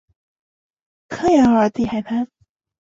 康雅尔蒂海滩。